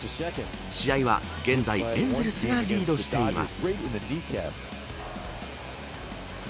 試合は、現在エンゼルスがリードしています。